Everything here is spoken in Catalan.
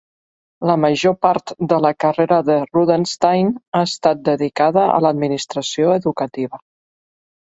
La major part de la carrera de Rudenstine ha estat dedicada a l'administració educativa.